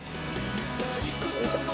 よいしょ。